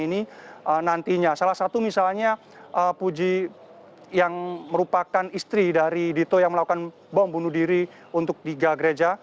ini nantinya salah satu misalnya puji yang merupakan istri dari dito yang melakukan bom bunuh diri untuk tiga gereja